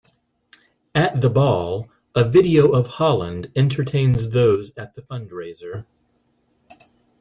At the Ball, a video of Holland entertains those at the fundraiser.